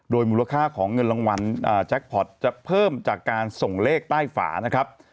มูลค่าของเงินรางวัลแจ็คพอร์ตจะเพิ่มจากการส่งเลขใต้ฝานะครับ